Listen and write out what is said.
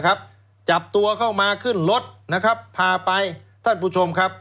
จับตัวเข้ามาขึ้นรถนะครับพาไปท่านผู้ชมครับ